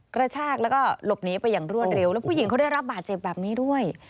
กระชากแล้วก็หลบหนีไปอย่างรวดเร็วแล้วผู้หญิงเขาได้รับบาดเจ็บแบบนี้ด้วย